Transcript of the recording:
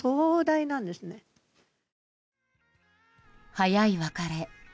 早い別れ。